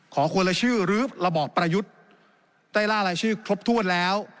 ขอคนละชื่อหรือระบอบประยุทธ์ได้ล่ารายชื่อครบถ้วนแล้ว